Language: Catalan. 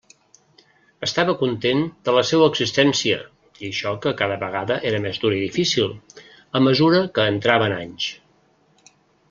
Estava content de la seua existència, i això que cada vegada era més dura i difícil, a mesura que entrava en anys.